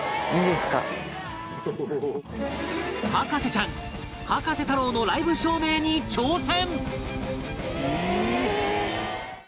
博士ちゃん葉加瀬太郎のライブ照明に挑戦！